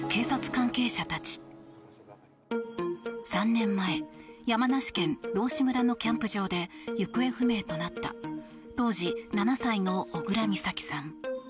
３年前、山梨県道志村のキャンプ場で行方不明となった当時７歳の小倉美咲さん。